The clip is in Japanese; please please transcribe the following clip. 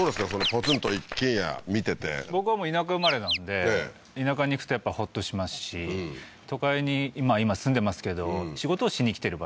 ポツンと一軒家見てて僕は田舎生まれなんで田舎に行くとやっぱホッとしますし都会に今住んでますけど仕事をしに来てる